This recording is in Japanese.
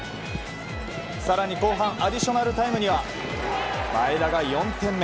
更に、後半アディショナルタイムには前田が４点目。